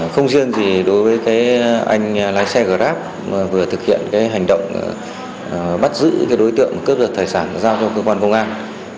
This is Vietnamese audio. không riêng gì đối với anh lái xe grab vừa thực hiện hành động bắt giữ đối tượng cướp được tài sản rao cho cơ quan công an